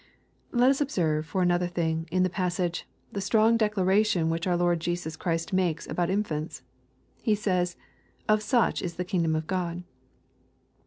Let us observe, for another thing, in this passage, the strong declaration which our Lord Jesus Christ make 4 about infants. He says, " Of such is the kingdom of Gk)d.